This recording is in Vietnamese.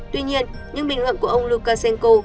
tuy nhiên những bình luận của ông lukashenko